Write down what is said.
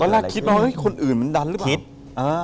ตอนนั้นคิดว่าคนอื่นมันดันหรือเปล่าอเจมส์คิด